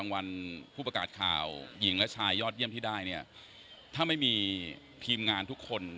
ไม่มีกับทีมงานทุกคน